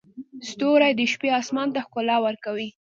ستوري د شپې اسمان ته ښکلا ورکوي.